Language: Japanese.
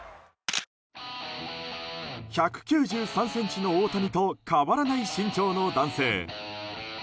１９３ｃｍの大谷と変わらない身長の男性。